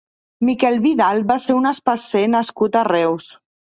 Miquel Vidal va ser un espaser nascut a Reus.